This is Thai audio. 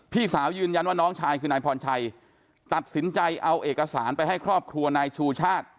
พี่สาวยืนยันว่าน้องชายคือนายพรชัยตัดสินใจเอาเอกสารไปให้ครอบครัวนายชูชาติ